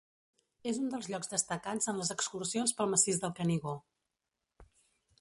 És un dels llocs destacats en les excursions pel massís del Canigó.